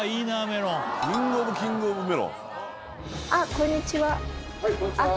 こんにちは。